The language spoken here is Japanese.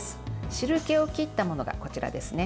汁けを切ったものがこちらですね。